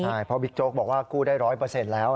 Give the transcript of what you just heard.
ใช่เพราะบิ๊กโจ๊กบอกว่ากู้ได้ร้อยเปอร์เซ็นต์แล้วนะ